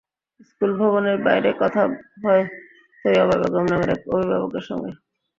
School ভবনের বাইরে কথা হয় তৈয়বা বেগম নামের এক অভিভাবকের সঙ্গে।